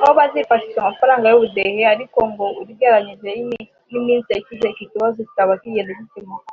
aho bazifashisha amafaranga y’ubudehe ariko ngo ugereranyije n’iminsi yashize iki kibazo kikaba kigenda gikemuka